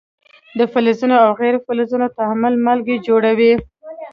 د فلزونو او غیر فلزونو تعامل مالګې جوړوي.